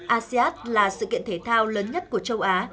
asean là sự kiện thể thao lớn nhất của châu á